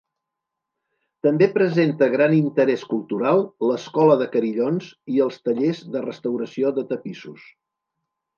També presenta gran interès cultural l'Escola de Carillons i els tallers de restauració de tapissos.